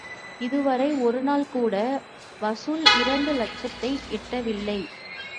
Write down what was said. இதுவரை ஒருநாள் கூட வசூல் இரண்டு லட்சத்தை எட்டவில்லை.